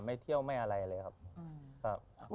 ไม่เที่ยวไม่อะไรเลยครับ